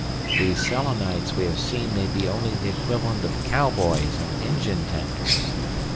These Selenites we have seen may be only the equivalent of cowboys and engine tenders.